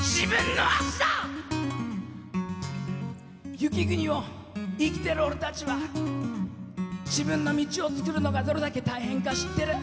雪国を生きてる俺たちは自分の道をつくるのがどれだけ大変か知ってる。